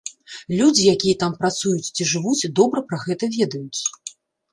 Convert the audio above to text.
Людзі, якія там працуюць ці жывуць, добра пра гэта ведаюць.